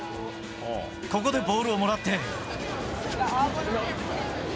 ここでボールをもらって。